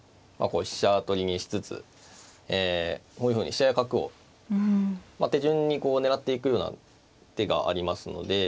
飛車取りにしつつこういうふうに飛車や角を手順にこう狙っていくような手がありますので。